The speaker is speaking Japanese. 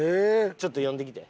ちょっと呼んできて。